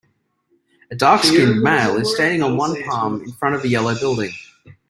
A darkskinned male is standing on one palm in front of a yellow building.